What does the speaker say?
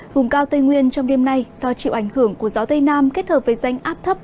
vùng cao tây nguyên trong đêm nay do chịu ảnh hưởng của gió tây nam kết hợp với danh áp thấp